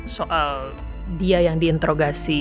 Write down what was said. soal dia yang diinterogasi